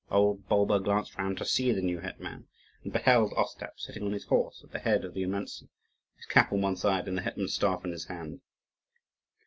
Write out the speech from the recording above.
Old Bulba glanced round to see the new hetman, and beheld Ostap sitting on his horse at the head of the Oumantzi, his cap on one side and the hetman's staff in his hand.